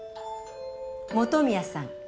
本宮さん。